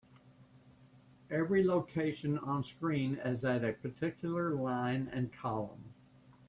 Every location onscreen is at a particular line and column.